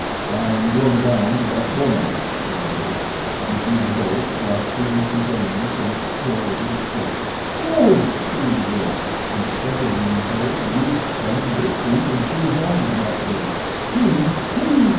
"I am going down to that woman," said Bridge, and he drew the bolt, rusty and complaining, from its corroded seat. "No!" screamed the girl, and seconding her the youth sprang to his feet and threw his arms about Bridge. "Please! Please!"